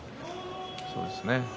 そうですね。